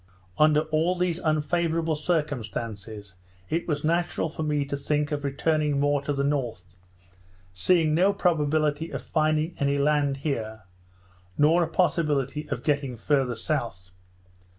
Under all these unfavourable circumstances, it was natural for me to think of returning more to the north; seeing no probability of finding any land here, nor a possibility of getting farther south.